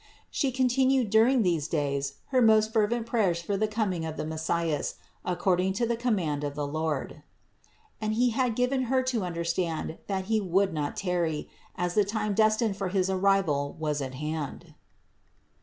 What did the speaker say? She continued during these days her most fervent prayers for the coming of the Messias, according to the command of the Lord. And He had given Her to understand that He would not tarry, as the time destined for his arrival was at hand.